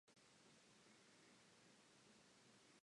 Croes suddenly died.